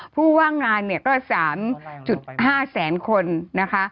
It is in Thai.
ผู้ว่างงานเนี่ยก็๓๕แสนคนนะคะ